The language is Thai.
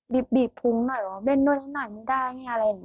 บีบบีบพุงหน่อยว่าเล่นด้วยนิดหน่อยไม่ได้ไงอะไรอย่างเงี้ยอืม